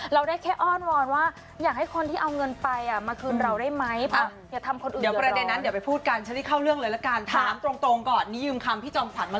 เราได้แค่อ้อนวอนว่าอยากให้คนที่เอาเงินไปมาคืนเราได้ไหม